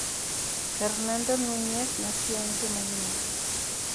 Fernando Núñez nació en Rumanía.